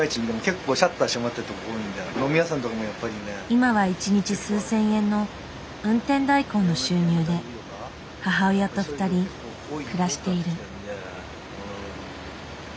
今は一日数千円の運転代行の収入で母親と２人暮らしている。